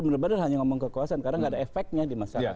benar benar hanya ngomong kekuasaan karena nggak ada efeknya di masyarakat